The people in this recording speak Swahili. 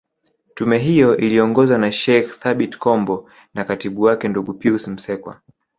Tume hiyo iliongozwa na Sheikh Thabit Kombo na katibu wake ndugu Pius Msekwa